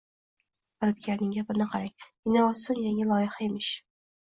firibgarning gapini qarang: «innovatsion yangi loyiha» emush.